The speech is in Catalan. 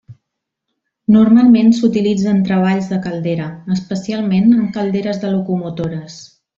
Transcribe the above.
Normalment s'utilitza en treballs de caldera, especialment en calderes de locomotores.